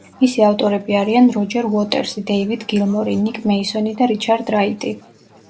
მისი ავტორები არიან როჯერ უოტერსი, დეივიდ გილმორი, ნიკ მეისონი და რიჩარდ რაიტი.